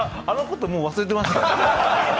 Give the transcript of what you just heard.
あのこと、もう忘れてました。